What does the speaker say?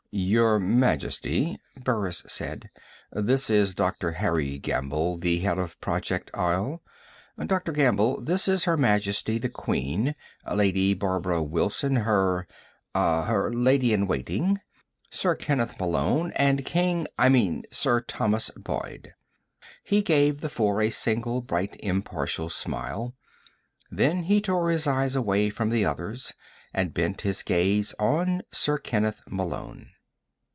"Your Majesty," Burris said, "this is Dr. Harry Gamble, the head of Project Isle. Dr. Gamble, this is Her Majesty the Queen; Lady Barbara Wilson, her ... uh ... her lady in waiting; Sir Kenneth Malone; and King ... I mean Sir Thomas Boyd." He gave the four a single bright impartial smile. Then he tore his eyes away from the others, and bent his gaze on Sir Kenneth Malone.